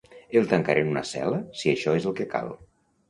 El tancaré en una cel·la si això és el que cal.